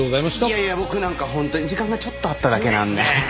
いやいや僕なんか本当に時間がちょっとあっただけなんで。